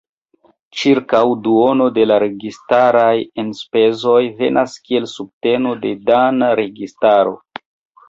Ĉirkaŭ duono de la registaraj enspezoj venas kiel subteno de dana registaro.